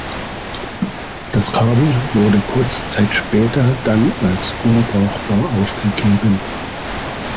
Das Kabel wurde kurze Zeit später dann als unbrauchbar aufgegeben.